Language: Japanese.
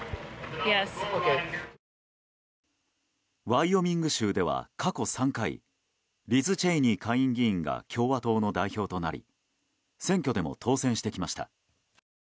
ワイオミング州では過去３回リズ・チェイニー下院議員が共和党の代表となり選挙でも当選してきました。